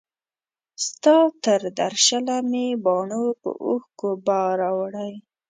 ستا تر درشله مي باڼو په اوښکو بار راوړی